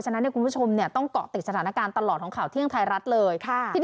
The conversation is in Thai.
ฉะนั้นคุณผู้ชมต้องเกาะติดสถานการณ์ตลอดของข่าวเที่ยงไทยรัฐเลย